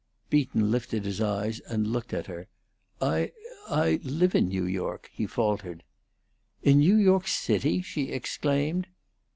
Beaton lifted his eyes and looked at her. "I I live in New York," he faltered. "In New York City!" she exclaimed.